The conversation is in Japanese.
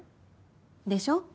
でしょ？